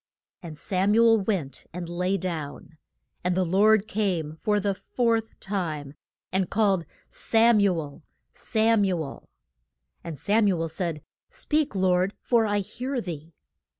And Sam u el went and lay down. And the Lord came for the fourth time, and called, Sam u el Sam u el! And Sam u el said, Speak, Lord, for I hear thee.